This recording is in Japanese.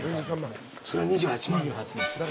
それが２８万。